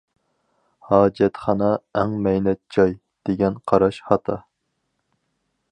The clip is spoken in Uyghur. ھاجەتخانا ئەڭ مەينەت جاي، دېگەن قاراش خاتا.